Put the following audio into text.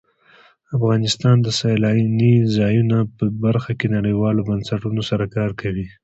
افغانستان د سیلانی ځایونه په برخه کې نړیوالو بنسټونو سره کار کوي.